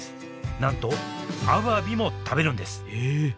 なんとアワビも食べるんですえ！